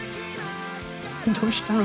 どうしたの？